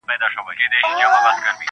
نصیب د جهاني په نوم یوه مینه لیکلې-